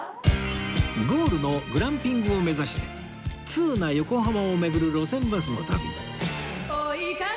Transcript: ゴールのグランピングを目指して通な横浜を巡る路線バスの旅